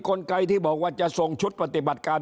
กลไกที่บอกว่าจะส่งชุดปฏิบัติการ